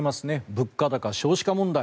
物価高、少子化問題。